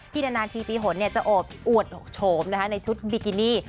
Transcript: ที่นานทีปีฝนจะอวดโฉมในชุดบิกินี่